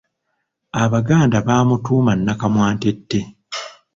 Abaganda bamutuuma nnakamwantette.